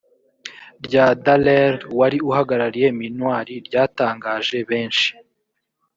rya dallaire wari uhagarariye minuar ryatangajebenshi